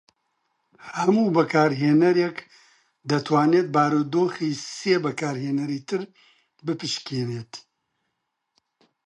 هەموو بەکارهێەرێک دەتوانێت بارودۆخی سێ بەکارهێنەری تر بپشکنێت.